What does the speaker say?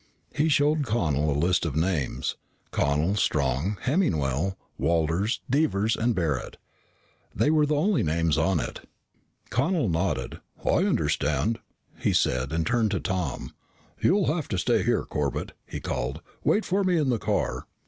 He showed Connel a list of names: Connel, Strong, Hemmingwell, Walters, Devers, and Barret. They were the only names on it. Connel nodded. "I understand," he said and turned to Tom. "You'll have to stay here, Corbett," he called. "Wait for me in the car."